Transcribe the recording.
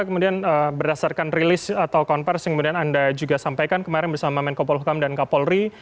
kemudian berdasarkan rilis atau konversi yang kemudian anda juga sampaikan kemarin bersama menko polhukam dan kapolri